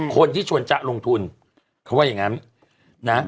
คนที่ชวนจ๊ะลงทุนเขาว่าอย่างนั้นนะ